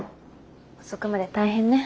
遅くまで大変ね。